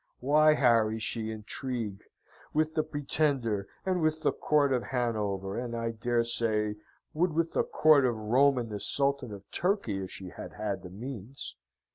Why, Harry, she intrigue: with the Pretender, and with the Court of Hanover, and, I dare say, would with the Court of Rome and the Sultan of Turkey if she had had the means.